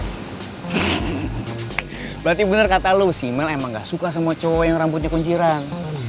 berarti benar kata lo simal emang gak suka sama cowok yang rambutnya kunciran